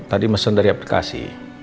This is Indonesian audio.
tadi mesen dari aplikasi